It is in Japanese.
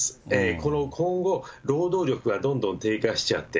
この今後、労働力がどんどん低下しちゃって。